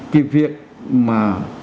cái việc mà